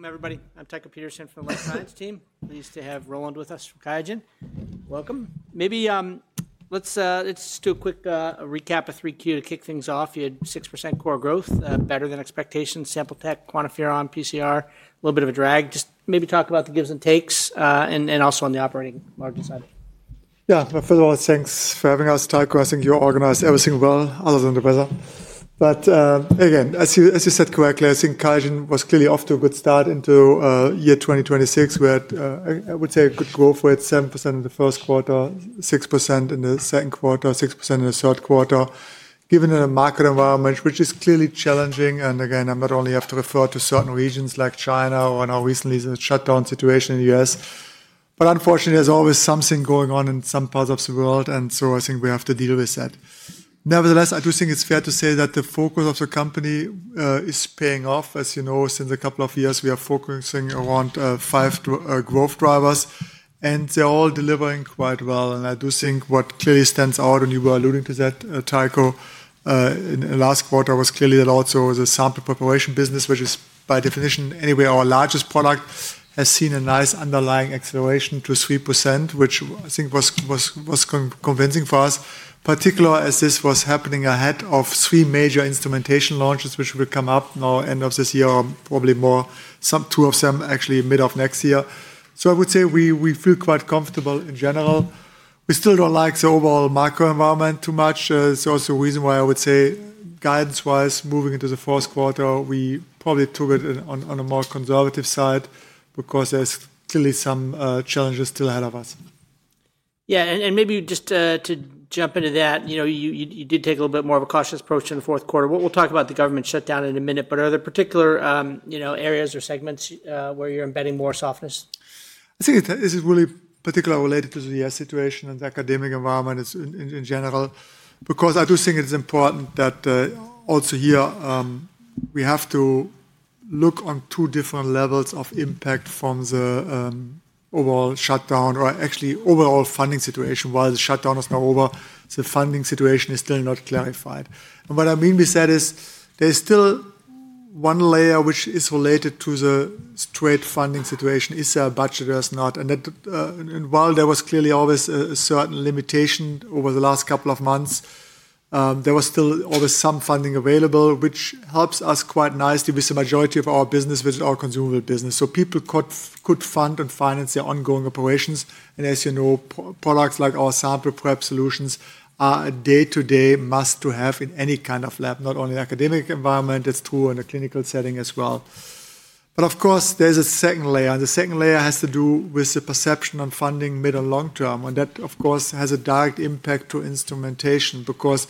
Welcome, everybody. I'm Tycho Peterson from the Life Science team. Pleased to have Roland with us from QIAGEN. Welcome. Maybe let's do a quick recap of 3Q to kick things off. You had 6% core growth, better than expectations. Sample tech, QuantiFERON, PCR, a little bit of a drag. Just maybe talk about the gives and takes, and also on the operating margin side. Yeah, but first of all, thanks for having us, Tycho. I think you organized everything well, other than the weather. But again, as you said correctly, I think QIAGEN was clearly off to a good start into year 2026. We had, I would say, a good growth. We had 7% in the first quarter, 6% in the second quarter, 6% in the third quarter, given the market environment, which is clearly challenging. And again, I am not only have to refer to certain regions like China or now recently the shutdown situation in the U.S. But unfortunately, there is always something going on in some parts of the world. And so I think we have to deal with that. Nevertheless, I do think it is fair to say that the focus of the company is paying off. As you know, since a couple of years, we are focusing around five growth drivers. They're all delivering quite well. I do think what clearly stands out, and you were alluding to that, Tycho, in the last quarter, was clearly that also the sample preparation business, which is by definition anyway our largest product, has seen a nice underlying acceleration to 3%, which I think was convincing for us, particularly as this was happening ahead of three major instrumentation launches, which will come up now end of this year, probably more two of them actually mid of next year. I would say we feel quite comfortable in general. We still do not like the overall macro environment too much. It is also a reason why I would say guidance-wise, moving into the fourth quarter, we probably took it on a more conservative side because there are clearly some challenges still ahead of us. Yeah, and maybe just to jump into that, you did take a little bit more of a cautious approach in the fourth quarter. We'll talk about the government shutdown in a minute, but are there particular areas or segments where you're embedding more softness? I think this is really particularly related to the U.S. situation and the academic environment in general, because I do think it's important that also here we have to look on two different levels of impact from the overall shutdown or actually overall funding situation. While the shutdown is now over, the funding situation is still not clarified. What I mean by that is there's still one layer which is related to the straight funding situation. Is there a budget or is not? While there was clearly always a certain limitation over the last couple of months, there was still always some funding available, which helps us quite nicely with the majority of our business, which is our consumable business. People could fund and finance their ongoing operations. As you know, products like our sample prep solutions are a day-to-day must-to-have in any kind of lab, not only academic environment. It is true in a clinical setting as well. There is a second layer. The second layer has to do with the perception on funding mid and long term. That, of course, has a direct impact to instrumentation because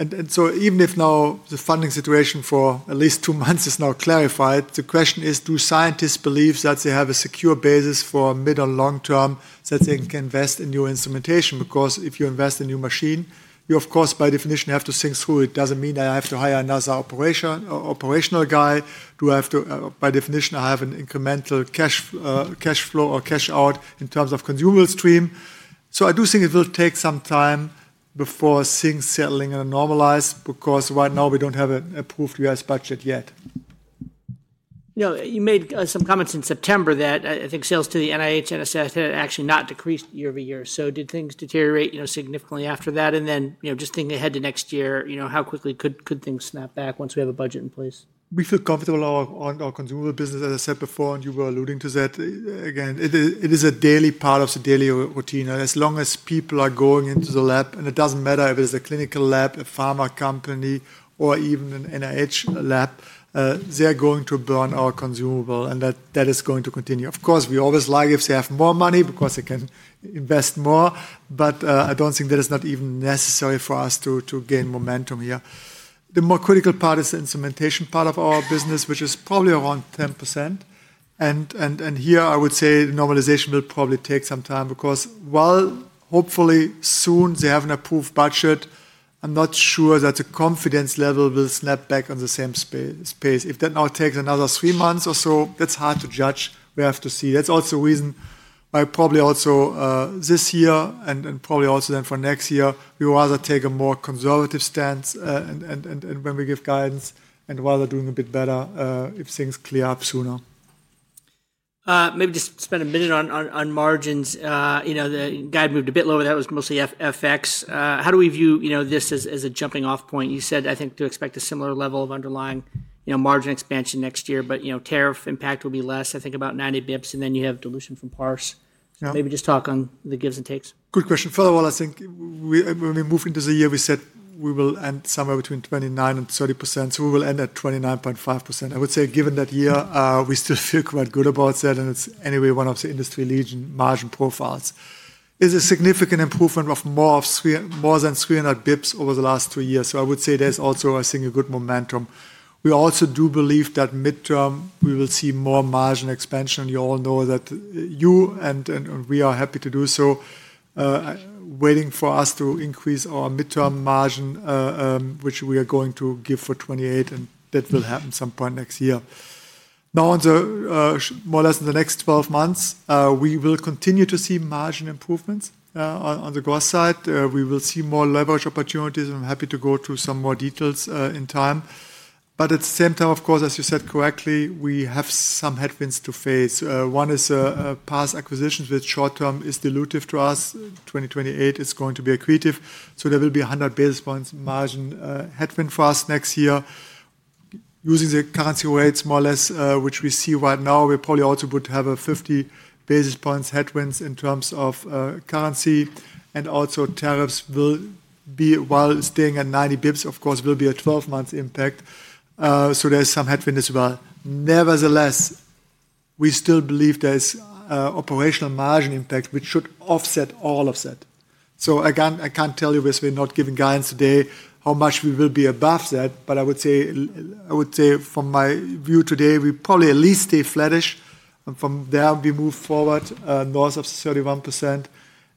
even if now the funding situation for at least two months is now clarified, the question is, do scientists believe that they have a secure basis for mid and long term so that they can invest in new instrumentation? If you invest in new machine, you, of course, by definition, have to think through. It does not mean that I have to hire another operational guy. Do I have to, by definition, have an incremental cash flow or cash out in terms of consumable stream? I do think it will take some time before things settle and normalize because right now we do not have an approved U.S. budget yet. You made some comments in September that I think sales to the NIH and NSF had actually not decreased year over year. Did things deteriorate significantly after that? Just thinking ahead to next year, how quickly could things snap back once we have a budget in place? We feel comfortable on our consumable business, as I said before, and you were alluding to that. Again, it is a daily part of the daily routine. As long as people are going into the lab, and it does not matter if it is a clinical lab, a pharma company, or even an NIH lab, they are going to burn our consumable, and that is going to continue. Of course, we always like if they have more money because they can invest more, but I do not think that is not even necessary for us to gain momentum here. The more critical part is the instrumentation part of our business, which is probably around 10%. Here, I would say normalization will probably take some time because while hopefully soon they have an approved budget, I am not sure that the confidence level will snap back on the same space. If that now takes another three months or so, that's hard to judge. We have to see. That's also the reason why probably also this year and probably also then for next year, we rather take a more conservative stance when we give guidance and rather doing a bit better if things clear up sooner. Maybe just spend a minute on margins. The guide moved a bit lower. That was mostly FX. How do we view this as a jumping-off point? You said, I think, to expect a similar level of underlying margin expansion next year, but tariff impact will be less, I think about 90 bps, and then you have dilution from Parse. Maybe just talk on the gives and takes. Good question. First of all, I think when we move into the year, we said we will end somewhere between 29% and 30%. So we will end at 29.5%. I would say given that year, we still feel quite good about that. It is anyway one of the industry leading margin profiles. It is a significant improvement of more than 300 bps over the last three years. I would say there is also, I think, a good momentum. We also do believe that midterm, we will see more margin expansion. You all know that you and we are happy to do so. Waiting for us to increase our midterm margin, which we are going to give for 2028, and that will happen at some point next year. More or less in the next 12 months, we will continue to see margin improvements on the growth side. We will see more leverage opportunities. I'm happy to go through some more details in time. At the same time, of course, as you said correctly, we have some headwinds to face. One is past acquisitions with short term is dilutive to us. 2028 is going to be accretive. There will be 100 basis points margin headwind for us next year. Using the currency rates, more or less, which we see right now, we probably also would have a 50 basis points headwind in terms of currency. Also tariffs will be, while staying at 90 basis points, of course, will be a 12-month impact. There is some headwind as well. Nevertheless, we still believe there is operational margin impact, which should offset all of that. Again, I can't tell you because we're not giving guidance today how much we will be above that. I would say, from my view today, we probably at least stay flattish. From there, we move forward north of 31%.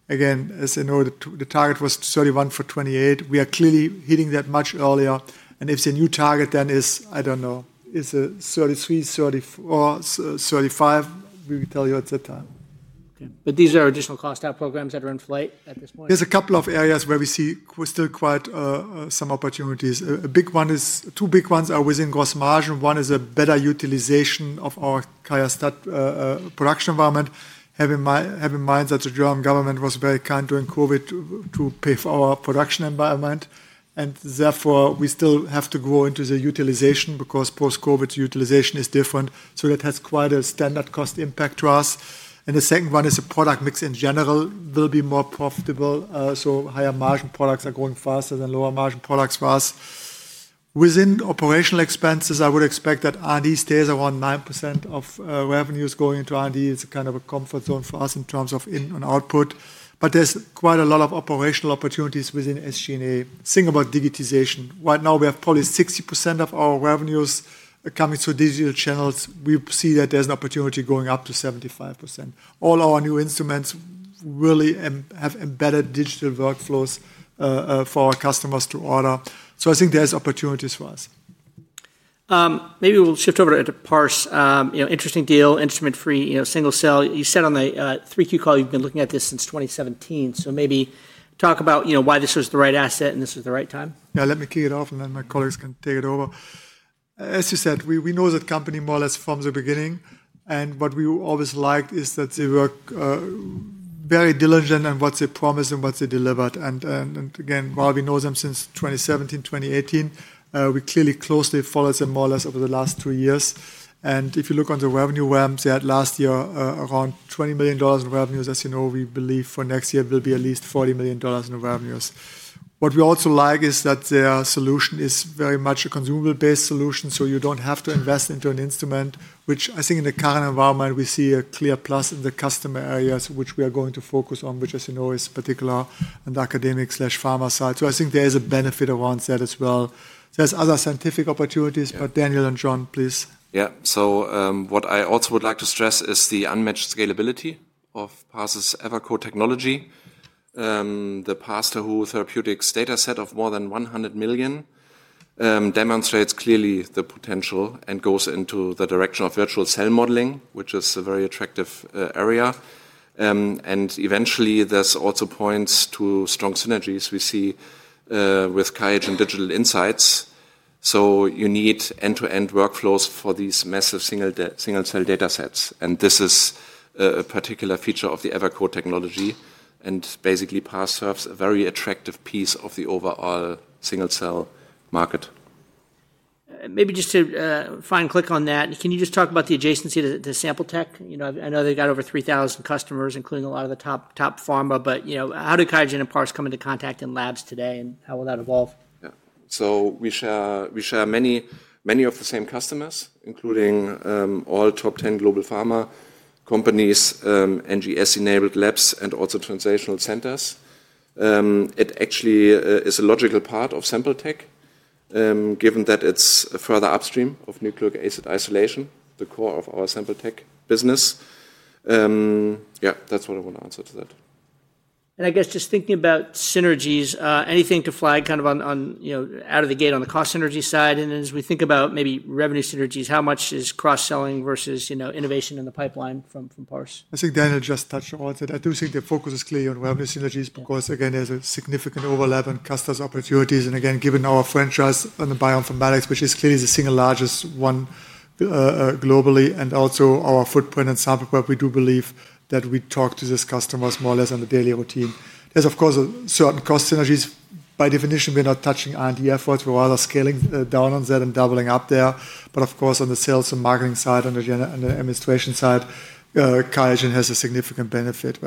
Again, the target was 31% for 2028. We are clearly hitting that much earlier. If the new target then is, I do not know, is 33%, 34%, 35%, we will tell you at that time. These are additional cost-out programs that are in flight at this point? There's a couple of areas where we see still quite some opportunities. Two big ones are within gross margin. One is a better utilization of our QIAstat production environment. Having in mind that the German government was very kind during COVID to pave our production environment. Therefore, we still have to grow into the utilization because post-COVID utilization is different. That has quite a standard cost impact to us. The second one is a product mix in general will be more profitable. Higher margin products are growing faster than lower margin products for us. Within operational expenses, I would expect that R&D stays around 9% of revenues going into R&D. It's a kind of a comfort zone for us in terms of in and output. There's quite a lot of operational opportunities within SG&A. Think about digitization. Right now, we have probably 60% of our revenues coming through digital channels. We see that there's an opportunity going up to 75%. All our new instruments really have embedded digital workflows for our customers to order. I think there's opportunities for us. Maybe we'll shift over to Parse. Interesting deal, instrument-free, single cell. You said on the 3Q call, you've been looking at this since 2017. Maybe talk about why this was the right asset and this was the right time. Yeah, let me kick it off and then my colleagues can take it over. As you said, we know that company more or less from the beginning. What we always liked is that they were very diligent in what they promised and what they delivered. Again, while we know them since 2017, 2018, we clearly closely followed them more or less over the last two years. If you look on the revenue realm, they had last year around $20 million in revenues. As you know, we believe for next year it will be at least $40 million in revenues. What we also like is that their solution is very much a consumable-based solution. You do not have to invest into an instrument, which I think in the current environment, we see a clear plus in the customer areas, which we are going to focus on, which, as you know, is particular on the academic/pharma side. I think there is a benefit around that as well. There are other scientific opportunities, but Daniel and John, please. Yeah, so what I also would like to stress is the unmatched scalability of Parse's Evercode technology. The Parse-Tahoe Therapeutics data set of more than 100 million demonstrates clearly the potential and goes into the direction of virtual cell modeling, which is a very attractive area. Eventually, this also points to strong synergies we see with QIAGEN Digital Insights. You need end-to-end workflows for these massive single-cell data sets. This is a particular feature of the Evercode technology. Basically, Parse serves a very attractive piece of the overall single-cell market. Maybe just to finally click on that, can you just talk about the adjacency to Sample tech? I know they've got over 3,000 customers, including a lot of the top pharma. How do QIAGEN and Parse come into contact in labs today? How will that evolve? Yeah, so we share many of the same customers, including all top 10 global pharma companies, NGS-enabled labs, and also translational centers. It actually is a logical part of Sample tech, given that it's a further upstream of nucleic acid isolation, the core of our Sample tech business. Yeah, that's what I want to answer to that. I guess just thinking about synergies, anything to flag kind of out of the gate on the cost synergy side? Then as we think about maybe revenue synergies, how much is cross-selling versus innovation in the pipeline from Parse? I think Daniel just touched on it. I do think the focus is clearly on revenue synergies because, again, there's a significant overlap in customers' opportunities. Again, given our franchise on the bioinformatics, which is clearly the single largest one globally, and also our footprint in sample prep, we do believe that we talk to these customers more or less on the daily routine. There are, of course, certain cost synergies. By definition, we're not touching R&D efforts. We're rather scaling down on that and doubling up there. Of course, on the sales and marketing side, on the administration side, QIAGEN has a significant benefit.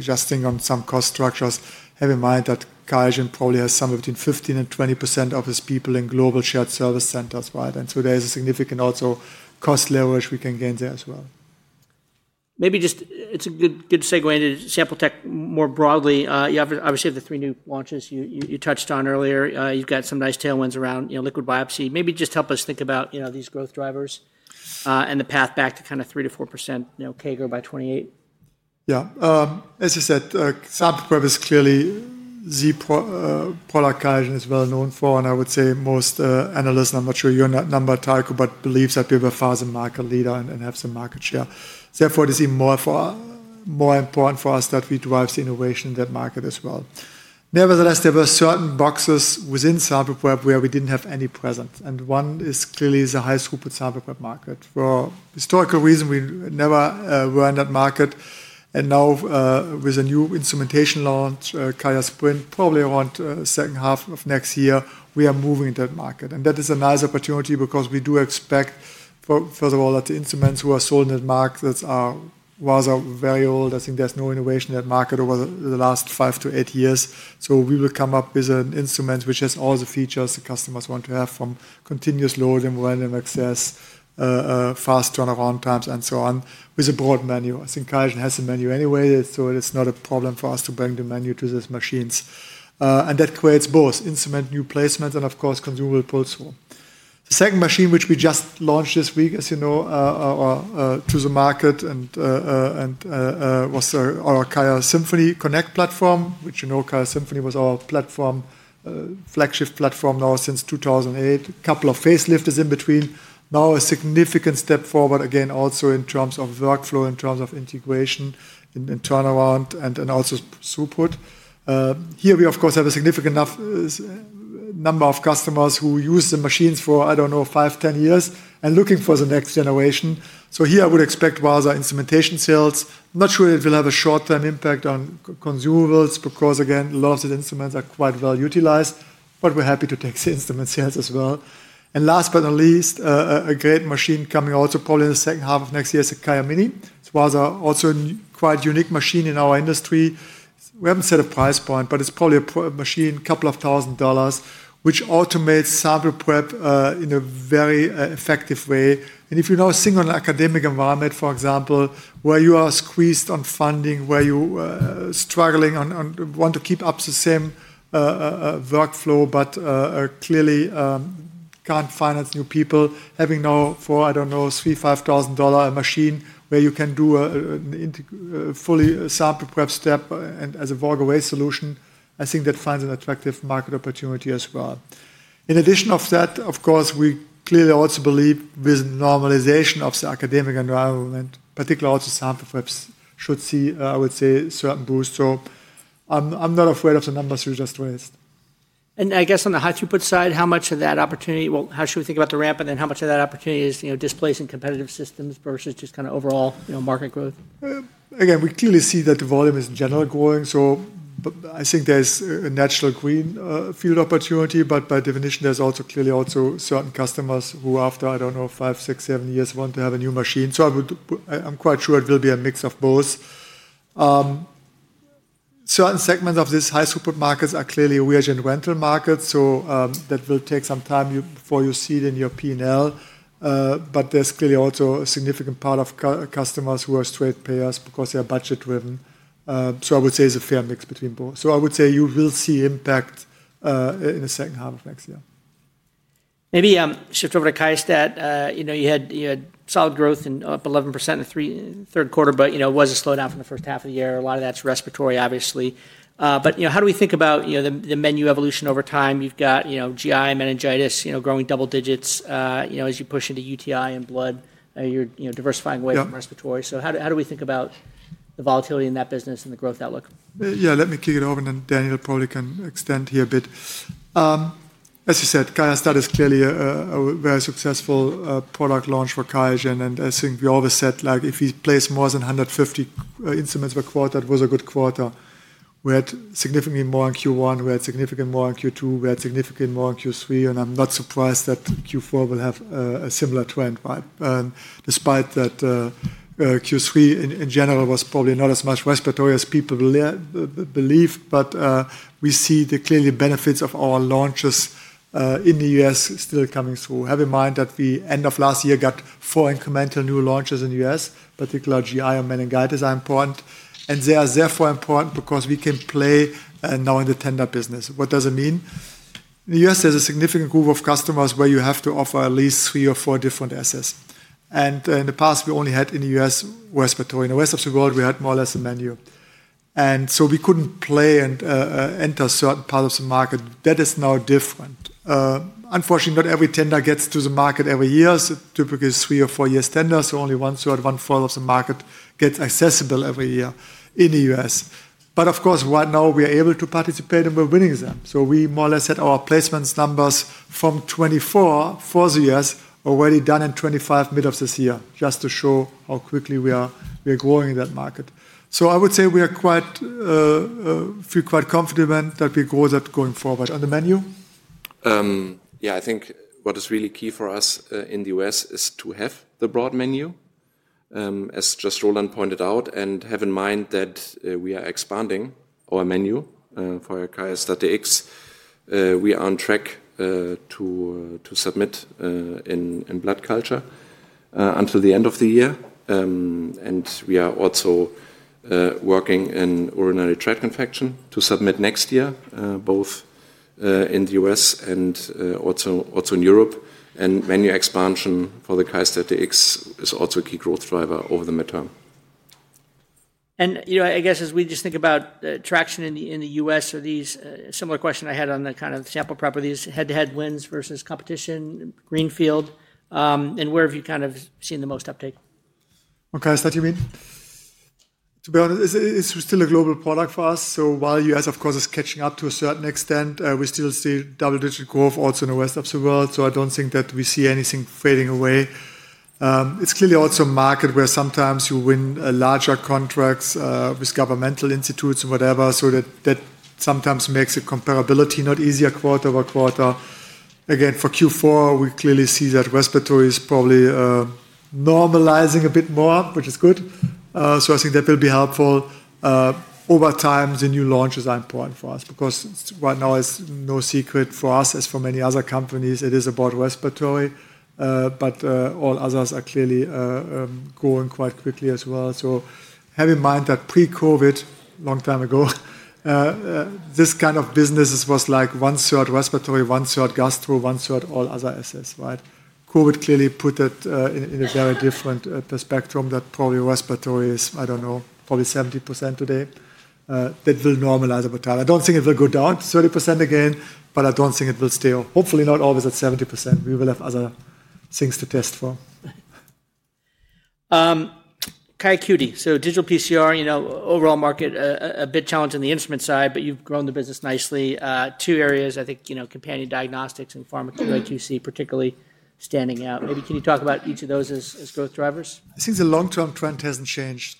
Just think on some cost structures. Have in mind that QIAGEN probably has somewhere between 15% and 20% of its people in global shared service centers. There is significant also cost leverage we can gain there as well. Maybe just it's a good segue into Sample tech more broadly. Obviously, the three new launches you touched on earlier, you've got some nice tailwinds around liquid biopsy. Maybe just help us think about these growth drivers and the path back to kind of 3%-4% CAGR by 2028. Yeah, as I said, Sample prep is clearly the product QIAGEN is well known for. I would say most analysts, and I'm not sure your number, Tycho, but believe that we are a market leader and have some market share. Therefore, it is even more important for us that we drive the innovation in that market as well. Nevertheless, there were certain boxes within sample prep where we did not have any presence. One is clearly the high throughput sample prep market. For historical reasons, we never were in that market. Now, with a new instrumentation launch, QIAsprint, probably around the second half of next year, we are moving into that market. That is a nice opportunity because we do expect, first of all, that the instruments which are sold in that market are rather variable. I think there's no innovation in that market over the last five to eight years. We will come up with an instrument which has all the features the customers want to have from continuous load and random access, fast turnaround times, and so on, with a broad menu. I think QIAGEN has a menu anyway, so it's not a problem for us to bring the menu to these machines. That creates both instrument new placements and, of course, consumable pull-through. The second machine, which we just launched this week, as you know, to the market, was our QIAsymphony Connect platform, which QIAsymphony was our flagship platform now since 2008. A couple of facelifts in between. Now, a significant step forward, again, also in terms of workflow, in terms of integration and turnaround, and also throughput. Here, we, of course, have a significant number of customers who use the machines for, I don't know, five, ten years and looking for the next generation. Here, I would expect rather instrumentation sales. I'm not sure it will have a short-term impact on consumables because, again, a lot of the instruments are quite well utilized, but we're happy to take the instrument sales as well. Last but not least, a great machine coming also probably in the second half of next year is the QIAmini. It's rather also a quite unique machine in our industry. We haven't set a price point, but it's probably a machine, a couple of thousand dollars, which automates sample prep in a very effective way. If you're now sitting in an academic environment, for example, where you are squeezed on funding, where you're struggling and want to keep up the same workflow, but clearly can't finance new people, having now for, I don't know, $3,000-$5,000 a machine where you can do a fully sample prep step and as a walk-away solution, I think that finds an attractive market opportunity as well. In addition to that, of course, we clearly also believe with normalization of the academic environment, particularly also sample prep should see, I would say, a certain boost. I'm not afraid of the numbers we just raised. I guess on the high throughput side, how much of that opportunity? How should we think about the ramp? How much of that opportunity is displacing competitive systems versus just kind of overall market growth? Again, we clearly see that the volume is in general growing. I think there is a natural green field opportunity. By definition, there are also clearly certain customers who, after, I do not know, five, six, seven years, want to have a new machine. I am quite sure it will be a mix of both. Certain segments of these high throughput markets are clearly reagent rental markets. That will take some time before you see it in your P&L. There is also a significant part of customers who are straight payers because they are budget-driven. I would say it is a fair mix between both. I would say you will see impact in the second half of next year. Maybe shift over to QIAGEN. You had solid growth and up 11% in the third quarter, but it was a slowdown from the first half of the year. A lot of that's respiratory, obviously. How do we think about the menu evolution over time? You've got GI, meningitis, growing double digits as you push into UTI and blood. You're diversifying away from respiratory. How do we think about the volatility in that business and the growth outlook? Yeah, let me kick it over. And then Daniel probably can extend here a bit. As you said, QIAGEN is clearly a very successful product launch for QIAGEN. I think we always said, if we place more than 150 instruments per quarter, that was a good quarter. We had significantly more in Q1. We had significantly more in Q2. We had significantly more in Q3. I am not surprised that Q4 will have a similar trend, right? Despite that, Q3 in general was probably not as much respiratory as people believe. We see the clearly benefits of our launches in the U.S. still coming through. Have in mind that we end of last year got four incremental new launches in the U.S., particularly GI and meningitis are important. They are therefore important because we can play now in the tender business. What does it mean? In the U.S. there's a significant group of customers where you have to offer at least three or four different assets. In the past, we only had in the U.S. respiratory. In the rest of the world, we had more or less a menu. We could not play and enter certain parts of the market. That is now different. Unfortunately, not every tender gets to the market every year. Typically, three or four years tender. Only 1/3, 1/4 of the market gets accessible every year in the U.S. Of course, right now, we are able to participate and we are winning them. We more or less had our placements numbers from 2024 for the U.S. already done in 2025 mid of this year, just to show how quickly we are growing in that market. I would say we feel quite confident that we grow that going forward. On the menu? Yeah, I think what is really key for us in the U.S. is to have the broad menu, as just Roland pointed out. Have in mind that we are expanding our menu for QIAstat-Dx. We are on track to submit in blood culture until the end of the year. We are also working in urinary tract infection to submit next year, both in the U.S. and also in Europe. Menu expansion for the QIAstat-Dx is also a key growth driver over the midterm. I guess as we just think about traction in the U.S., are these similar questions I had on the kind of sample properties, head-to-head wins versus competition, greenfield. Where have you kind of seen the most uptake? What kind of is that, you mean? To be honest, it's still a global product for us. While the U.S., of course, is catching up to a certain extent, we still see double-digit growth also in the rest of the world. I don't think that we see anything fading away. It's clearly also a market where sometimes you win larger contracts with governmental institutes and whatever. That sometimes makes a comparability not easier quarter-by-quarter. Again, for Q4, we clearly see that respiratory is probably normalizing a bit more, which is good. I think that will be helpful. Over time, the new launches are important for us because right now, it's no secret for us, as for many other companies, it is about respiratory. All others are clearly growing quite quickly as well. Have in mind that pre-COVID, a long time ago, this kind of business was like 1/3 respiratory, 1/3 gastro, 1/3 all other assets, right? COVID clearly put it in a very different spectrum that probably respiratory is, I don't know, probably 70% today. That will normalize over time. I don't think it will go down to 30% again, but I don't think it will stay. Hopefully, not always at 70%. We will have other things to test for. QIAcuity, so digital PCR, overall market, a bit challenged on the instrument side, but you've grown the business nicely. Two areas, I think, companion diagnostics and pharma particularly standing out. Maybe can you talk about each of those as growth drivers? I think the long-term trend hasn't changed.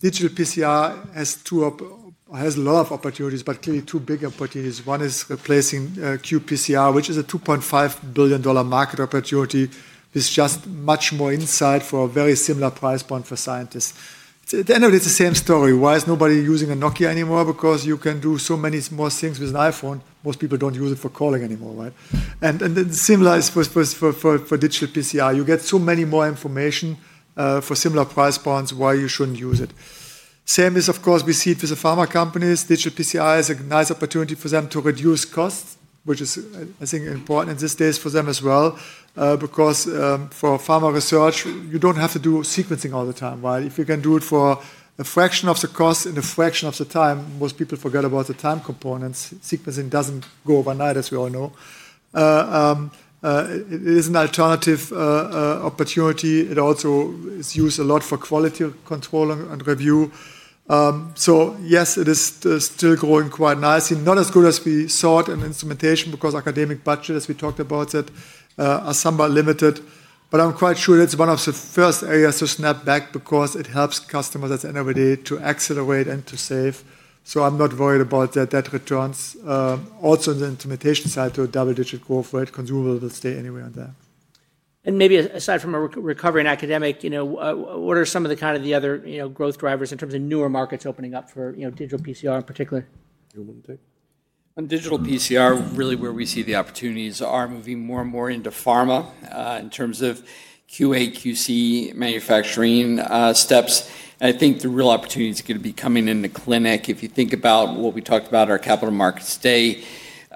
Digital PCR has a lot of opportunities, but clearly two big opportunities. One is replacing qPCR, which is a $2.5 billion market opportunity. It's just much more insight for a very similar price point for scientists. At the end of it, it's the same story. Why is nobody using a Nokia anymore? Because you can do so many more things with an iPhone. Most people don't use it for calling anymore, right? Similar for digital PCR. You get so much more information for similar price points why you shouldn't use it. Same is, of course, we see it with the pharma companies. Digital PCR is a nice opportunity for them to reduce costs, which is, I think, important in these days for them as well. Because for pharma research, you don't have to do sequencing all the time, right? If you can do it for a fraction of the cost in a fraction of the time, most people forget about the time components. Sequencing does not go overnight, as we all know. It is an alternative opportunity. It also is used a lot for quality control and review. Yes, it is still growing quite nicely. Not as good as we thought in instrumentation because academic budgets, as we talked about, are somewhat limited. I am quite sure it is one of the first areas to snap back because it helps customers at the end of the day to accelerate and to save. I am not worried about that returns. Also in the instrumentation side, to a double-digit growth rate, consumables will stay anyway on that. Maybe aside from a recovery in academic, what are some of the kind of the other growth drivers in terms of newer markets opening up for digital PCR in particular? Digital PCR, really where we see the opportunities are moving more and more into pharma in terms of QA, QC, manufacturing steps. I think the real opportunity is going to be coming into clinic. If you think about what we talked about, our capital markets today.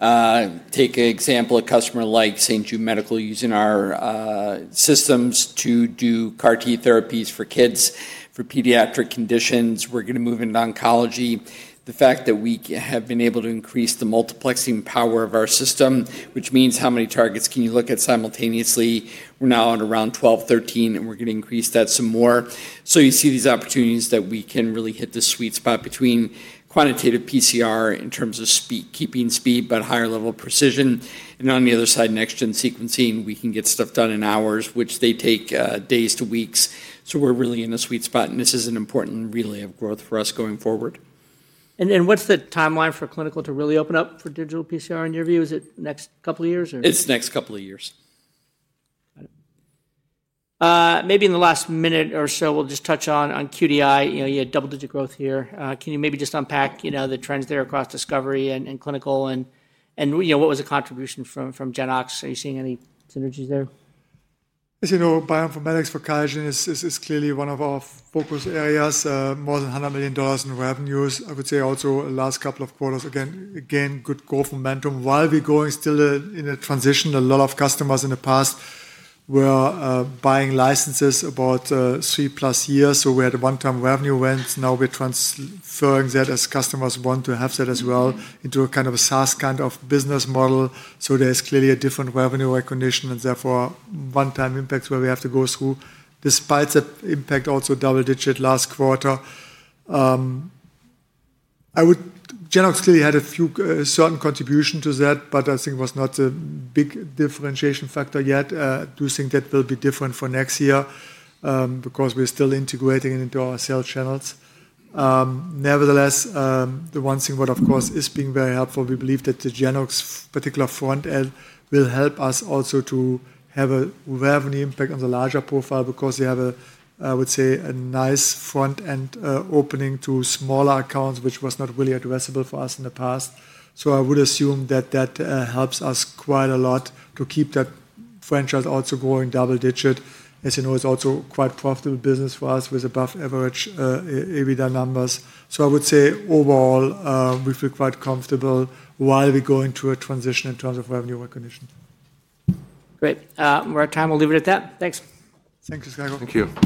Take an example of a customer like St. Jude Medical using our systems to do CAR-T therapies for kids for pediatric conditions. We are going to move into oncology. The fact that we have been able to increase the multiplexing power of our system, which means how many targets can you look at simultaneously? We are now at around 12, 13, and we are going to increase that some more. You see these opportunities that we can really hit the sweet spot between quantitative PCR in terms of keeping speed, but higher level precision. On the other side, next-gen sequencing, we can get stuff done in hours, which they take days to weeks. We are really in a sweet spot. This is an important relay of growth for us going forward. What's the timeline for clinical to really open up for digital PCR in your view? Is it next couple of years? It's next couple of years. Maybe in the last minute or so, we'll just touch on QDI. You had double-digit growth here. Can you maybe just unpack the trends there across discovery and clinical? What was the contribution from Genoox? Are you seeing any synergies there? As you know, bioinformatics for QIAGEN is clearly one of our focus areas, more than $100 million in revenues. I would say also last couple of quarters, again, good growth momentum. While we're going still in a transition, a lot of customers in the past were buying licenses about three plus years. So we had a one-time revenue went. Now we're transferring that as customers want to have that as well into a kind of a SaaS kind of business model. There is clearly a different revenue recognition and therefore one-time impacts where we have to go through, despite the impact also double-digit last quarter. Genoox clearly had a few certain contribution to that, but I think it was not a big differentiation factor yet. Do you think that will be different for next year? Because we're still integrating into our sales channels. Nevertheless, the one thing what, of course, is being very helpful, we believe that the Genoox particular front end will help us also to have a revenue impact on the larger profile because we have, I would say, a nice front end opening to smaller accounts, which was not really addressable for us in the past. I would assume that that helps us quite a lot to keep that franchise also growing double-digit. As you know, it is also quite profitable business for us with above-average EBITDA numbers. I would say overall, we feel quite comfortable while we go into a transition in terms of revenue recognition. Great. We're at time. We'll leave it at that. Thanks. Thank you, Tycho. Thank you.